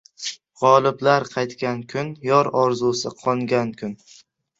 G‘oliblar qaytgan kun, yor orzusi qongan kun